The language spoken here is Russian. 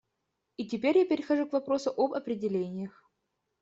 И теперь я перехожу к вопросу об определениях.